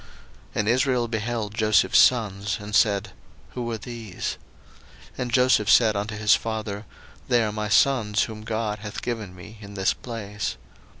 01:048:008 And Israel beheld Joseph's sons, and said, Who are these? 01:048:009 And Joseph said unto his father, They are my sons, whom God hath given me in this place.